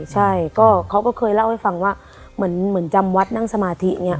ใช่ก็เขาก็เคยเล่าให้ฟังว่าเหมือนจำวัดนั่งสมาธิอย่างนี้